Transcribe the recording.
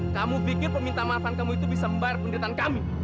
kamu pikir peminta maafan kamu itu bisa membayar penderitaan kami